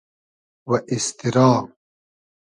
و ایستیرا